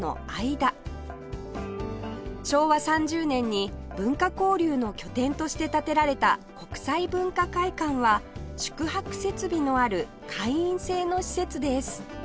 昭和３０年に文化交流の拠点として建てられた国際文化会館は宿泊設備のある会員制の施設です